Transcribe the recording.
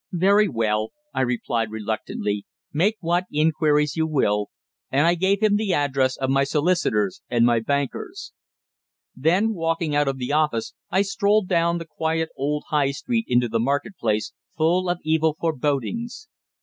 "Very well," I replied reluctantly; "make what inquiries you will." And I gave him the address of my solicitors and my bankers. Then, walking out of the office, I strolled down the quiet old High Street into the market place, full of evil forebodings.